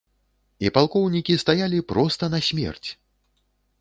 І палкоўнікі стаялі проста на смерць!